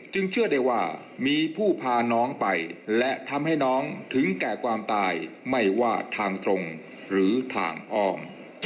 เชื่อได้ว่ามีผู้พาน้องไปและทำให้น้องถึงแก่ความตายไม่ว่าทางตรงหรือทางอ้อม